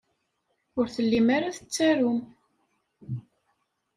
Ur tellim ara tettarum.